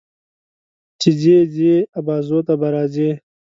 چې ځې، ځې ابازوی ته به راځې.